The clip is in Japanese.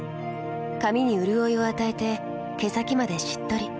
髪にうるおいを与えて毛先までしっとり。